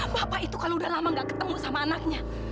bapak itu kalau udah lama gak ketemu sama anaknya